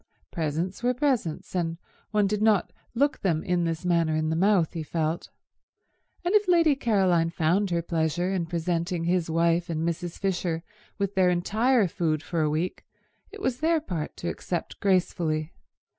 Presents were presents, and one did not look them in this manner in the mouth, he felt; and if Lady Caroline found her pleasure in presenting his wife and Mrs. Fisher with their entire food for a week, it was their part to accept gracefully.